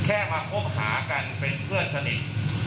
แค่มาคบหากันเป็นเพื่อนสนิท